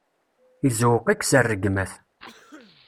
Izewweq-ik, s rregmat.